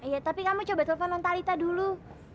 ya tapi kamu coba telfon non talitha dulu